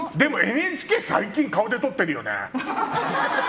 ＮＨＫ最近顔でとってるよね！